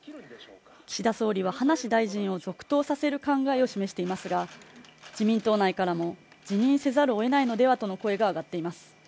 岸田総理は葉梨大臣を続投させる考えを示していますが自民党内からも辞任せざるを得ないのではとの声が上がっています